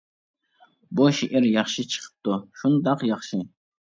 بۇ شېئىر ياخشى چىقىپتۇ، شۇنداق ياخشى.